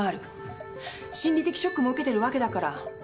心理的ショックも受けてるわけだから冷静には話せない。